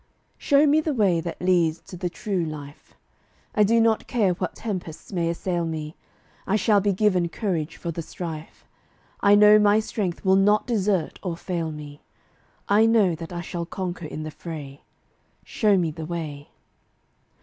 Show me the way that leads to the true life. I do not care what tempests may assail me, I shall be given courage for the strife; I know my strength will not desert or fail me; I know that I shall conquer in the fray: Show me the way.